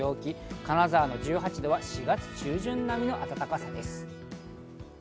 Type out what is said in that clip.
金沢の１８度は４月中旬並みの暖かさです。